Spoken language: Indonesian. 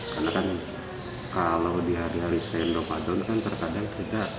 karena kan kalau di hari hari sendok padon kan terkadang kita